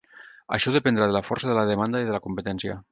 Això dependrà de la força de la demanda i de la competència.